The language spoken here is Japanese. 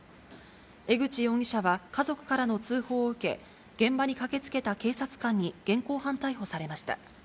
江口容疑者は家族からの通報を受け、現場に駆けつけた警察官に現行犯逮捕されました。